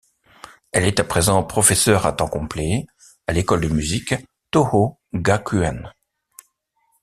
Elle est à présent professeur à temps complet à l'école de musique Tōhō Gakuen.